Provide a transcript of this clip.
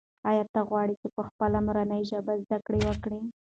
آیا ته غواړې چې په خپله مورنۍ ژبه زده کړه وکړې؟